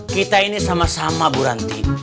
kita ini sama sama buranti